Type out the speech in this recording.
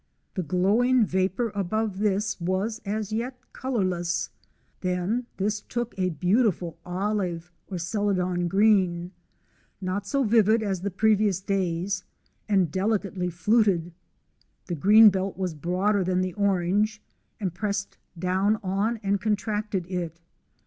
The glowing vapour above this was as yet colourless ; then this took a beautiful olive or celadon green, not so vivid as the previous day's, and delicately fluted : the green belt was broader than the orange, and pressed down on and contracted it.